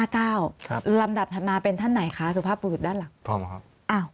ก็ลำดับมาเป็นท่านไหนคะสุภาพประหน่อยด้านหลัง